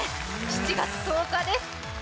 ７月１０日です。